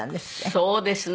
そうですね。